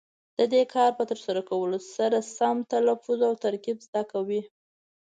د دې کار په ترسره کولو سره سم تلفظ او ترکیب زده کوي.